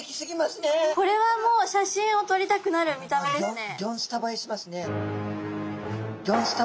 これはもう写真をとりたくなる見た目ですね。